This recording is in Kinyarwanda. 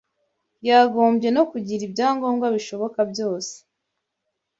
yagombye no kugira ibyangombwa bishoboka byose